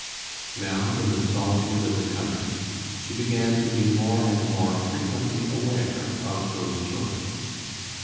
Now in the solitude of the country, she began to be more and more frequently aware of those joys.